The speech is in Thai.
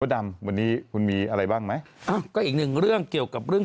ดำวันนี้คุณมีอะไรบ้างไหมอ้าวก็อีกหนึ่งเรื่องเกี่ยวกับเรื่อง